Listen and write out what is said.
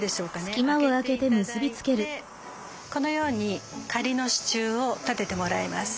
あけて頂いてこのように仮の支柱を立ててもらいます。